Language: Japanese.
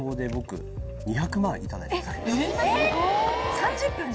３０分で？